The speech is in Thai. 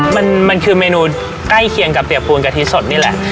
มันคือเมนูใกล้เคียงกับเปียกปูนกะทิสดนี่แหละ